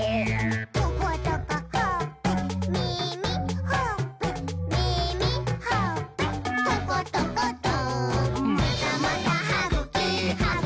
「トコトコほっぺ」「みみ」「ほっぺ」「みみ」「ほっぺ」「トコトコト」「またまたはぐき！はぐき！はぐき！